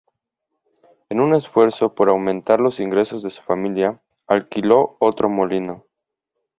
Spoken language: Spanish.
En un esfuerzo por aumentar los ingresos de su familia, alquiló otro molino.